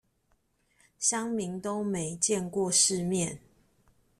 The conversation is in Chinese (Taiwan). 鄉民都沒見過世面